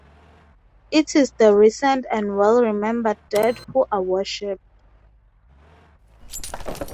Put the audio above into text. It is the recent and well-remembered dead who are worshiped.